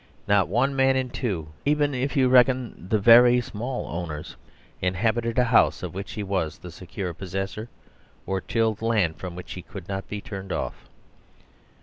Not one man in tWo, even if you reckon the very small owners, inhabited a house of which he was the secure posses sor, or tilled land from which he could not be turned off.